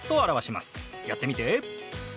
やってみて。